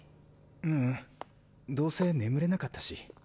ううんどうせ眠れなかったし。